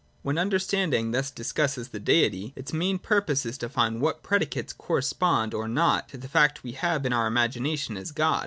(a) When understanding thus discusses the Deity, its main purpose is to find what predicates correspond or not to the fact we have in our imagination as God.